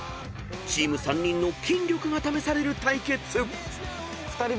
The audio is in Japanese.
［チーム３人の筋力が試される対決］